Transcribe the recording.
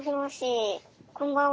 こんばんは。